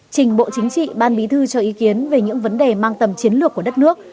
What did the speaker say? trình bộ chính trị ban bí thư cho ý kiến về những vấn đề mang tầm chiến lược của đất nước